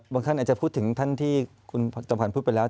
ท่านอาจจะพูดถึงท่านที่คุณตะพันธ์พูดไปแล้ว